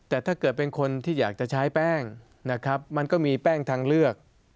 แต่ถ้าเกิดเป็นคนที่อยากจะใช้แป้งนะครับมันก็มีแป้งทางเลือก